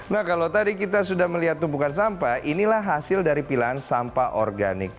nah kalau tadi kita sudah melihat tumpukan sampah inilah hasil dari pilahan sampah organik